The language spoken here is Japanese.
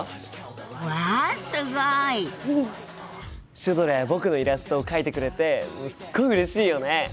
シュドラや僕のイラストを描いてくれてすっごいうれしいよね！